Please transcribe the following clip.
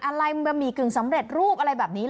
อะไรบะหมี่กึ่งสำเร็จรูปอะไรแบบนี้เห